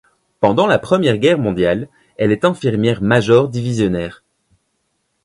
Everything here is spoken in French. Pendant la Première Guerre mondiale, elle est infirmière major divisionnaire.